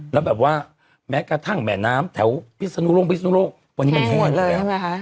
แล้วแบบว่าแม้กระทั่งแหมนน้ำแถวพิษนุโรควันนี้มันแห้งหมดเลย